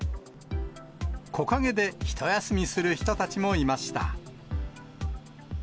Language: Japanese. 木陰でひと休みする人たちもいました。